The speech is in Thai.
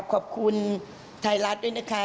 ขอบคุณไทยรัฐด้วยนะคะ